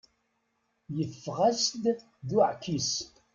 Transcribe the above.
Yeffeɣ-as-d d uɛkis.